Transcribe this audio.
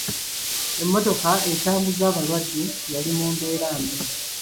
Emmotoka etambuza abalwadde yali mu mbeera mbi.